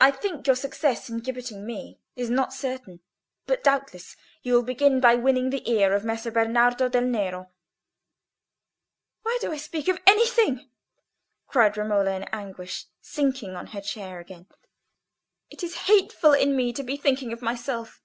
I think your success in gibbeting me is not certain. But doubtless you would begin by winning the ear of Messer Bernardo del Nero?" "Why do I speak of anything?" cried Romola, in anguish, sinking on her chair again. "It is hateful in me to be thinking of myself."